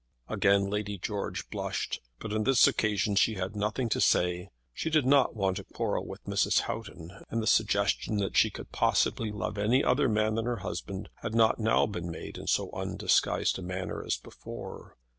Again Lady George blushed, but on this occasion she had nothing to say. She did not want to quarrel with Mrs. Houghton, and the suggestion that she could possibly love any other man than her husband had not now been made in so undisguised a manner as before.